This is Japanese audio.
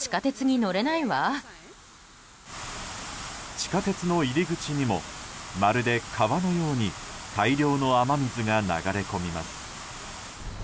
地下鉄の入り口にもまるで川のように大量の雨水が流れ込みます。